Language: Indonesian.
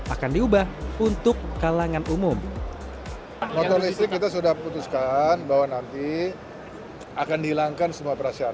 akan diubah untuk kalangan umum